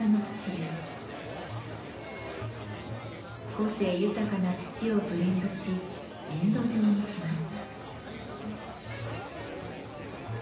個性豊かな土をブレンドし粘土状にします。